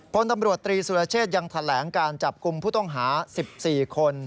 พลตำรวจตรีสุรเชษยังแถลงการจับกลุ่มผู้ต้องหา๑๔คน